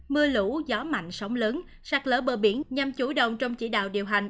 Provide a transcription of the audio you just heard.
mưa lũ gió mạnh sông lớn sạt lỡ bờ biển nhằm chủ động trong chỉ đạo điều hành